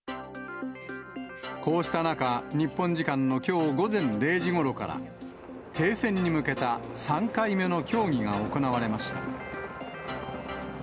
こうした中、日本時間のきょう午前０時ごろから、停戦に向けた３回目の協議が行われました。